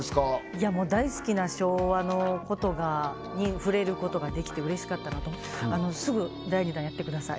いやもう大好きな昭和のことに触れることができてうれしかったのとすぐ第２弾やってください